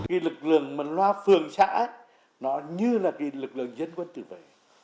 các lực lượng mà loa phường xã nó như là lực lượng dân quân chủ vậy